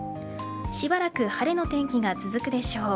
しばらく晴れの天気が続くでしょう。